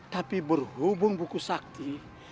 tapi berhubung buku sakti